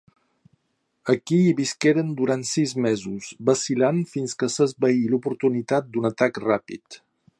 Aquí hi visqueren durant sis mesos, vacil·lant fins que s'esvaí l'oportunitat d'un atac ràpid.